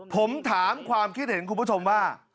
ผมถามความคิดเห็นคุณผู้ชมว่า